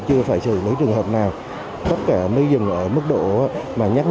các thầy thuốc